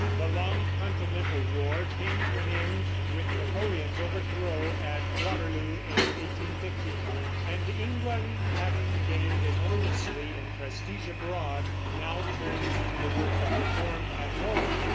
The long Continental war came to an end with Napoleon's overthrow at Waterloo, in 1815; and England, having gained enormously in prestige abroad, now turned to the work of reform at home.